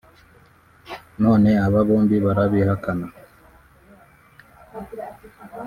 none aba bombi barabihakana